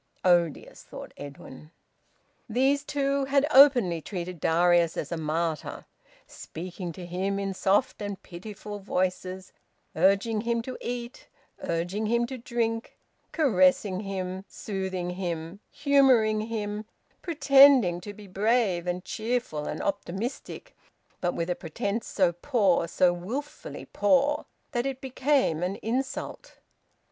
"Odious," thought Edwin. These two had openly treated Darius as a martyr, speaking to him in soft and pitiful voices, urging him to eat, urging him to drink, caressing him, soothing him, humouring him; pretending to be brave and cheerful and optimistic, but with a pretence so poor, so wilfully poor, that it became an insult.